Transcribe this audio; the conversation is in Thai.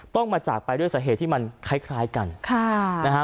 ต้องมาจากไปด้วยสาเหตุที่มันคล้ายกันค่ะนะฮะ